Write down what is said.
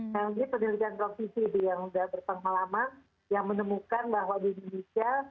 nah ini penelitian profisi yang sudah bertanggung lama yang menemukan bahwa di indonesia